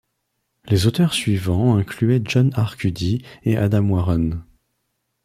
Les auteurs suivants incluaient John Arcudi et Adam Warren.